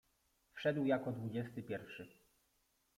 Wszedł jako dwudziesty pierwszy.